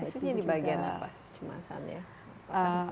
maksudnya di bagian apa kecemasan ya